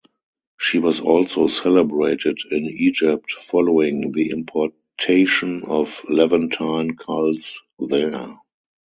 She was also celebrated in Egypt following the importation of Levantine cults there.